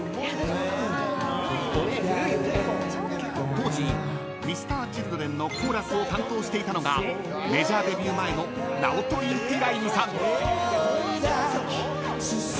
［当時Ｍｒ．Ｃｈｉｌｄｒｅｎのコーラスを担当していたのがメジャーデビュー前のナオト・インティライミさん］